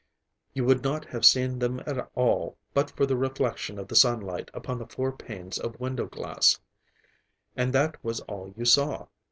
You would not have seen them at all but for the reflection of the sunlight upon the four panes of window glass. And that was all you saw.